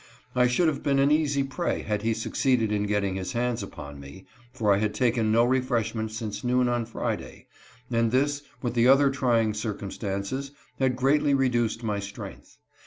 I should have been an easy prey had he succeeded in getting his hands upon me, for I had taken no refreshment since noon on Friday ; and this, with the other trying circumstances, had greatly reduced my strength.